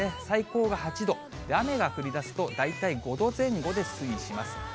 最高が８度、雨が降りだすと、大体５度前後で推移します。